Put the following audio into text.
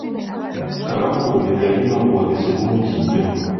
Kabaka oyo yalina obuwagizi bungi nnyo.